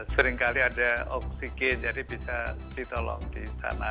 seringkali ada oksigen jadi bisa ditolong di sana